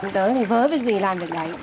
chúng tôi với dì làm việc này